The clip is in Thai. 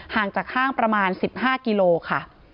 ห่างจากห้างประมาณ๑๕กิโลค่ะ